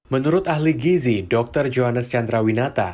menurut ahli gizi dr johannes chandra winata